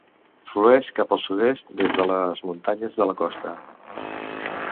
Flueix cap al sud-est des de les Muntanyes de la Costa.